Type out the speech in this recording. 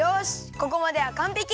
ここまではかんぺき！